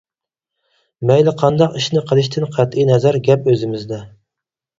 مەيلى قانداق ئىشنى قىلىشتىن قەتئىي نەزەر گەپ ئۆزىمىزدە.